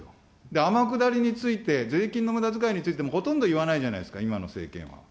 天下りについて、税金のむだづかいについてもほとんど言わないじゃないですか、今の政権は。